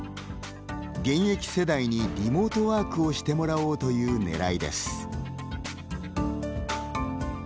現役世代に、リモートワークをしてもらおうという狙いです。